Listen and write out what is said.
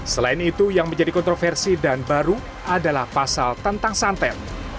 selain itu yang menjadi kontroversi dan baru adalah pasal tentang santet